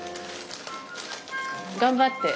頑張って。